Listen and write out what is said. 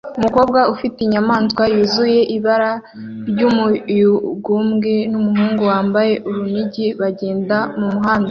Umukobwa ufite inyamaswa yuzuye ibara ry'umuyugubwe n'umuhungu wambaye urunigi bagenda mumuhanda